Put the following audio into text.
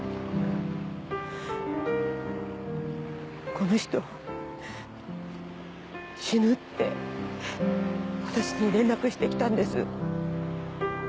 この人死ぬって私に連絡してきたんです。